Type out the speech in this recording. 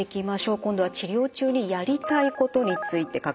今度は治療中にやりたいことについて書かれています。